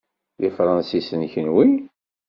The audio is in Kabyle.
D Ifransisen, kenwi?